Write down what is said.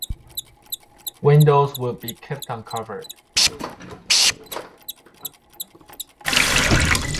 Windows will be kept uncovered.